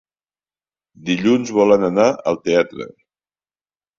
Dilluns volen anar al teatre.